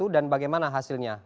dan bagaimana hasilnya